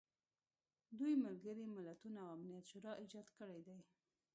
دوی ملګري ملتونه او امنیت شورا ایجاد کړي دي.